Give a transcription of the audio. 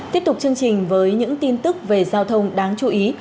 tiếp tục chương trình với những tin tức về giao thông đáng chú ý